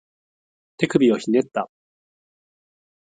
手首をひねった